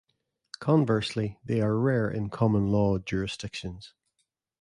Conversely they are rare in common law jurisdictions.